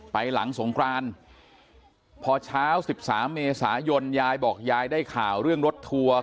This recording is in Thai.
ไปหลังสงครานพอเช้า๑๓เมษายนยายบอกยายได้ข่าวเรื่องรถทัวร์